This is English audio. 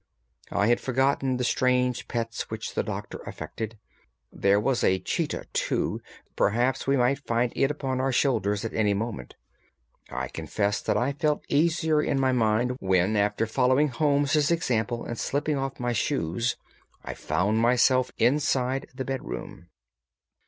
I had forgotten the strange pets which the Doctor affected. There was a cheetah, too; perhaps we might find it upon our shoulders at any moment. I confess that I felt easier in my mind when, after following Holmes' example and slipping off my shoes, I found myself inside the bedroom.